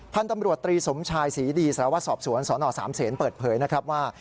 พันธุ์ตำรวจตรีสมชายศรีดีสารวัตรสอบสวนสนสามเศษเปิดเผยนะครับว่า